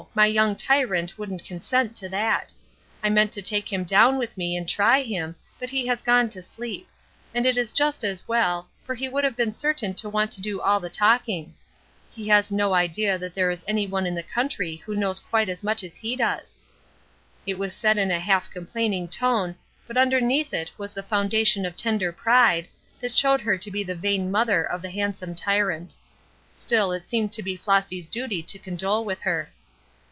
My young tyrant wouldn't consent to that. I meant to take him down with me and try him, but he has gone to sleep; and it is just as well, for he would have been certain to want to do all the talking. He has no idea that there is any one in the country who knows quite as much as he does." It was said in a half complaining tone, but underneath it was the foundation of tender pride, that showed her to be the vain mother of the handsome tyrant. Still it seemed to be Flossy's duty to condole with her.